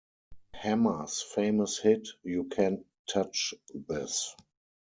Hammer's famous hit U Can't Touch This.